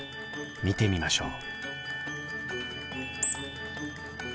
見てみましょう。